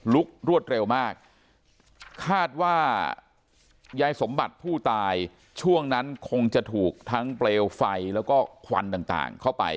รวดเร็วมากคาดว่ายายสมบัติผู้ตายช่วงนั้นคงจะถูกทั้งเปลวไฟแล้วก็ควันต่างเข้าไป